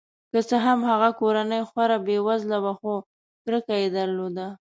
که څه هم هغه کورنۍ خورا بې وزله وه خو کرکه یې درلوده.